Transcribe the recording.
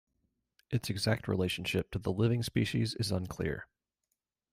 Its exact relationship to the living species is unclear.